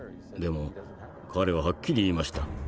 でも彼ははっきり言いました。